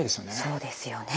そうですよね。